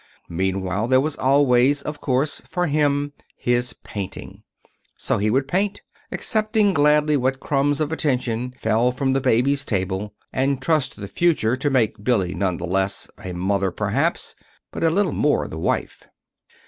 Meanwhile there was always, of course, for him, his painting. So he would paint, accepting gladly what crumbs of attention fell from the baby's table, and trust to the future to make Billy none the less a mother, perhaps, but a little more the wife.